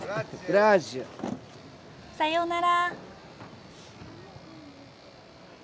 さようなら。